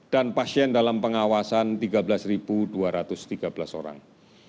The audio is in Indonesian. dan pasien dalam pengawasan tiga belas dua ratus tiga belas orang